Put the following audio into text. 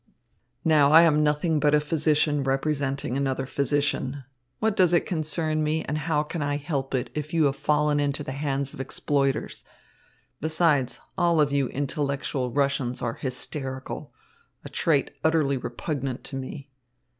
"Now I am nothing but a physician representing another physician. What does it concern me, and how can I help it, if you have fallen into the hands of exploiters? Besides, all of you intellectual Russians are hysterical a trait utterly repugnant to me."